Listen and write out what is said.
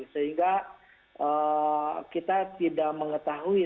sehingga kita tidak mengetahui